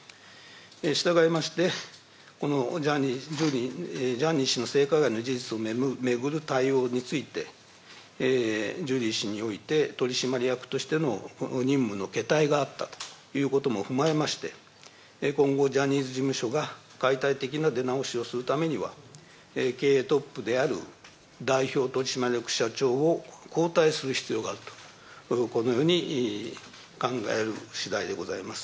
したがいまして、このジャニー氏の性加害の事実を巡る対応について、ジュリー氏において取締役としての任務のけたいがあったということも踏まえまして、今後、ジャニーズ事務所が解体的な出直しをするためには、経営トップである代表取締役社長を交代する必要があると、このように考えるしだいでございます。